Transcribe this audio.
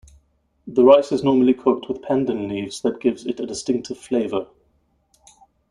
The rice is normally cooked with pandan leaves that gives it a distinctive flavour.